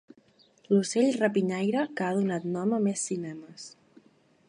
L'ocell rapinyaire que ha donat nom a més cinemes.